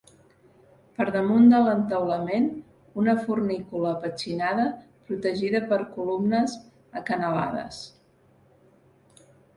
Per damunt de l'entaulament, una fornícula apetxinada protegida per columnes acanalades.